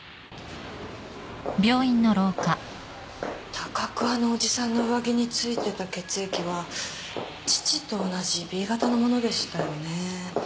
高桑のおじさんの上着に付いてた血液は父と同じＢ型のものでしたよね。